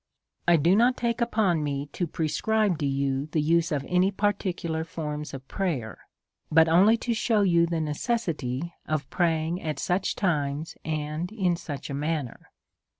I do not take upon me to prescribe to you the use ^ of any particular forms of prayer, but only to shcAV the ^ necessity of praying at such times and in such a manner.